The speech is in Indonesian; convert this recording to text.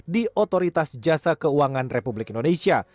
di otoritas jasa keuangan republik indonesia